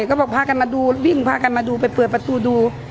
ก็บอกพากันมาดูวิ่งพากันมาดูไปเปิดประตูดู